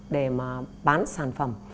để mà bán sản xuất